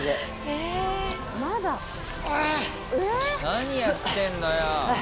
何やってんのよ。